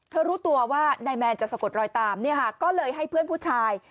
รู้ตัวว่านายแมนจะสะกดรอยตามก็เลยให้เพื่อนผู้ชาย